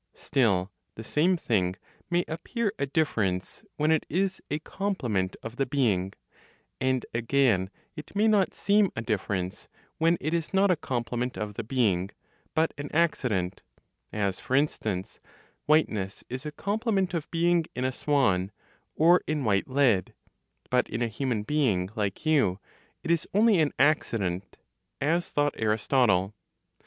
Still, the same thing may appear a difference when it is a complement of the being, and again it may not seem a difference when it is not a complement of the being, but an accident: as, for instance, whiteness is a complement of being in a swan, or in white lead; but in a human being like you, it is only an accident (as thought Aristotle).